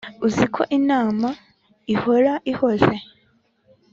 uziko inama ihora ihoze